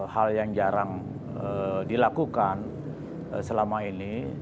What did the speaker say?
hal yang jarang dilakukan selama ini